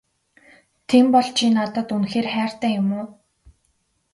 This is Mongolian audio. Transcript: Тийм бол чи надад үнэхээр хайртай юм уу?